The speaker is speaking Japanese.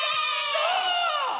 そう！